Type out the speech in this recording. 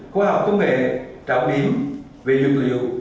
khoa học công nghệ trọng điểm về dược liệu